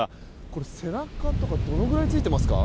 これ、背中とかどのくらいついていますか。